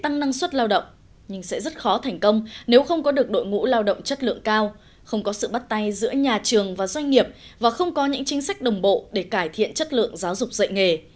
nhưng sẽ rất khó thành công nếu không có được đội ngũ lao động chất lượng cao không có sự bắt tay giữa nhà trường và doanh nghiệp và không có những chính sách đồng bộ để cải thiện chất lượng giáo dục dạy nghề